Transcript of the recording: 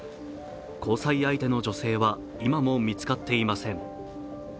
交際相手の女性は、今も見つかっていません。